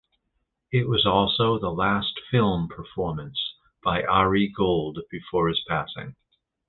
It was also the last film performance by Ari Gold before his passing.